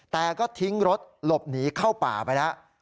แต่ก็ทิ้งรถหลบหนีเข้าป่าไปแล้ว